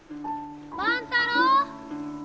万太郎！